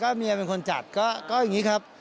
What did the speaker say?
เมียเป็นคนจัดก็อย่างนี้ครับ